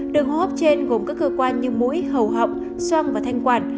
đường hô hấp trên gồm các cơ quan như mũi hầu họng soang và thanh quản